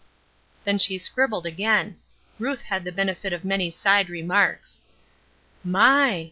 Then she scribbled again. Ruth had the benefit of many side remarks. "My!"